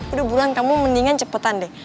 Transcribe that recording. udah bulan kamu mendingan cepetan deh